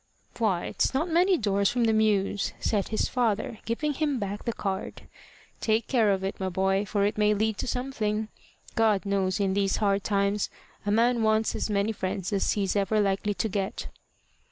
"Why, it's not many doors from the Mews!" said his father, giving him back the card. "Take care of it, my boy, for it may lead to something. God knows, in these hard times a man wants as many friends as he's ever likely to get."